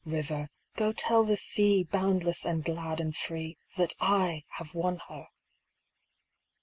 River, go tell the sea, Boundless and glad and free, That I have won her